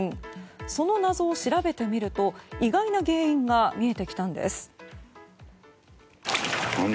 その謎を調べてみると意外な原因が見えてきたんです。